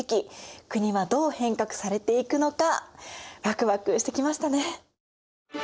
国はどう変革されていくのかワクワクしてきましたね。